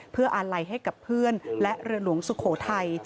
เพื่ออาลัยให้กับเพื่อนและเรือหลวงสุโขทัย